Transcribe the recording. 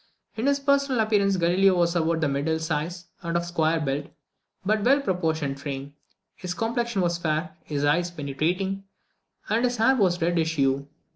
In his personal appearance Galileo was about the middle size, and of a square built, but well proportioned, frame. His complexion was fair, his eyes penetrating, and his hair of a reddish hue.